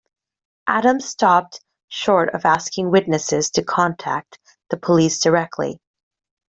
Adams stopped short of asking witnesses to contact the police directly.